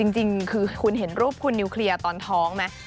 จริงคือคุณเห็นรูปคุณนิวเคลียร์ตอนท้องไหม